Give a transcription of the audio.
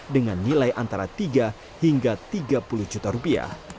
dengan nilai antara tiga hingga tiga puluh juta rupiah